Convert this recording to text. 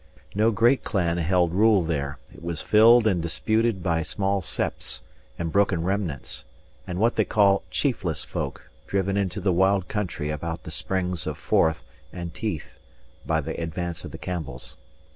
No great clan held rule there; it was filled and disputed by small septs, and broken remnants, and what they call "chiefless folk," driven into the wild country about the springs of Forth and Teith by the advance of the Campbells.